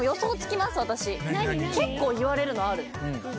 結構言われるのある。